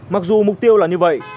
mặc dù mục tiêu là như vậy